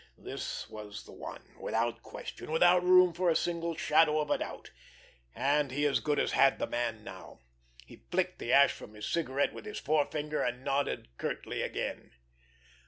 This was the one, without question, without room for a single shadow of a doubt. And he as good as had the man now! He flicked the ash from his cigarette with his forefinger, and nodded curtly again.